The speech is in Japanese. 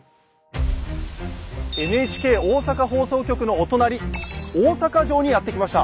ＮＨＫ大阪放送局のお隣大阪城にやって来ました。